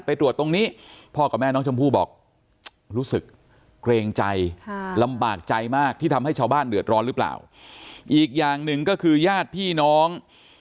อีกอย่างหนึ่งก็คือญาติพี่น้อง